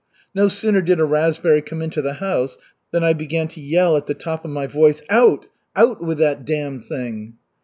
"No sooner did a raspberry come into the house than I began to yell at the top of my voice, 'Out, out with that damned thing!'